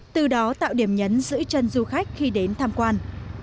từ đó tạo điểm nhấn giữ chân du khách khi đến tham quan